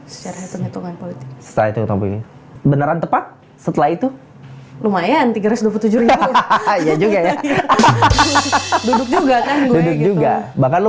setelah itu beneran tepat setelah itu lumayan tiga ratus dua puluh tujuh hahaha ya juga ya hahaha duduk juga bahkan lu